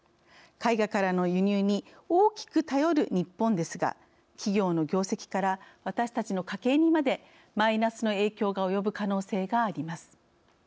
海外からの輸入に大きく頼る日本ですが企業の業績から私たちの家計にまでマイナスの影響が及ぶ可能性があります。